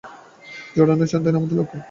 জড় নয়, চৈতন্যই আমাদের লক্ষ্য।